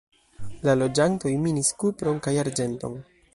La loĝantoj minis kupron kaj arĝenton.